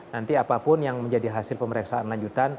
nanti apapun yang menjadi hasil pemeriksaan lanjutan